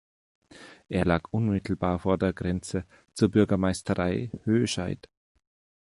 Er lag unmittelbar vor der Grenze zur Bürgermeisterei Höhscheid.